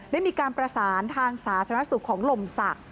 ได้มีการประสานทางสาธารณสุขของลมศักดิ